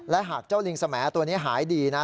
และหากเจ้าลิงสแหมดตัวนี้หายดีนะ